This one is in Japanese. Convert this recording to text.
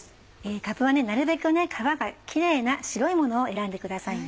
かぶはなるべく皮がキレイな白いものを選んでくださいね。